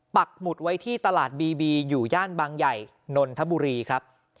ปักหมุดไว้ที่ตลาดบีบีอยู่ย่านบางใหญ่นนทบุรีครับ